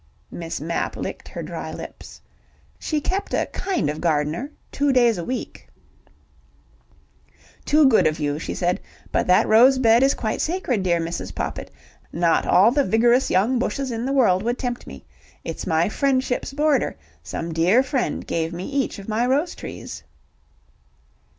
Miss Mapp licked her dry lips. She kept a kind of gardener: two days a week. "Too good of you," she said, "but that rose bed is quite sacred, dear Mrs. Poppit. Not all the vigorous young bushes in the world would tempt me. It's my 'Friendship's Border:' some dear friend gave me each of my rose trees."